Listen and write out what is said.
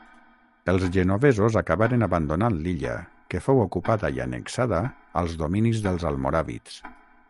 Els genovesos acabaren abandonant l'illa que fou ocupada i annexada als dominis dels almoràvits.